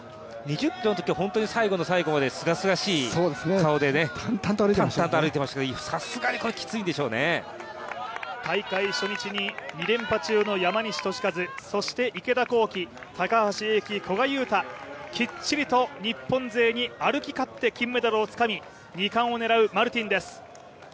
２０ｋｍのときは本当に最後の最後まですがすがしい顔で淡々と歩いてましたけど大会初日に２連覇中の山西利和、そして池田向希、高橋英輝、古賀友太きっちりと日本勢に歩き勝って金メダルをつかみ２冠を狙うマルティンです。